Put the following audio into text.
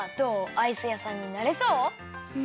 アイス屋さんになれそう？